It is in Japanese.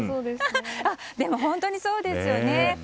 でも、本当にそうですよね。